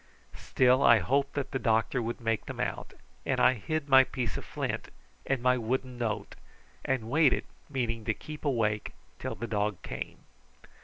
Still I hoped that the doctor would make them out, and I hid my piece of flint and my wooden note and waited, meaning to keep awake till the dog came.